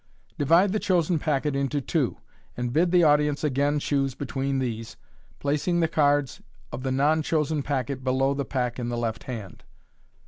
Divide the chosen packet into two, and bid the audience again choose between these, placing the cards of the non chosen packet below the pack in the left hand.